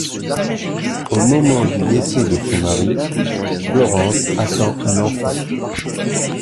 Au moment du décès de son mari, Florence attend un enfant.